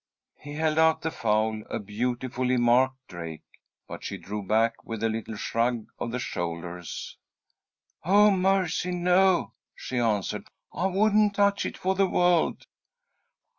He held out the fowl, a beautifully marked drake, but she drew back with a little shrug of the shoulders. "Oh, mercy, no!" she answered. "I wouldn't touch it for the world!"